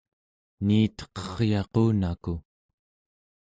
niiteqeryaqunaku!